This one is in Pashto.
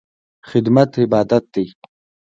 خدمت عبادت دی